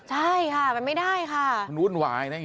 ใช่ค่ะมันไม่ได้ค่ะ